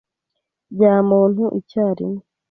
bya muntu icyarimwe.